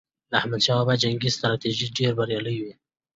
د احمد شاه بابا جنګي ستراتیژۍ ډېرې بریالي وي.